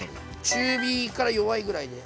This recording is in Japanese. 中火から弱いぐらいで。